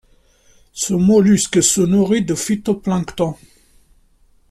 Ce mollusque se nourrit de phytoplancton.